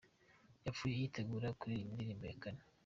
Yapfuye yitegura kuririmba indirimbo ya kane.